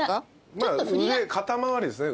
まあ腕肩周りですね。